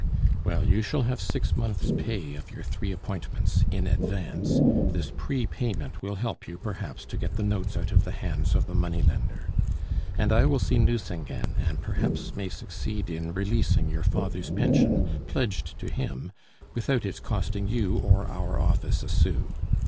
"Well, you shall have six months' pay of your three appointments in advance. This pre payment will help you, perhaps, to get the notes out of the hands of the money lender. And I will see Nucingen, and perhaps may succeed in releasing your father's pension, pledged to him, without its costing you or our office a sou.